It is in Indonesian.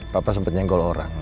papa sempet nyenggol orang